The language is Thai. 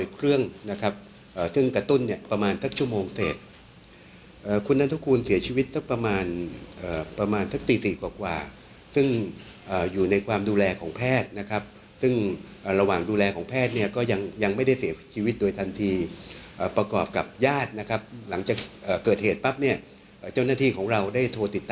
เครื่องนะครับซึ่งกระตุ้นเนี่ยประมาณสักชั่วโมงเสร็จคุณนัทคุณเสียชีวิตสักประมาณประมาณสักตี๔กว่าซึ่งอยู่ในความดูแลของแพทย์นะครับซึ่งระหว่างดูแลของแพทย์เนี่ยก็ยังไม่ได้เสียชีวิตโดยทันทีประกอบกับญาตินะครับหลังจากเกิดเหตุปั๊บเนี่ยเจ้าหน้าที่ของเราได้โทรติดต่อ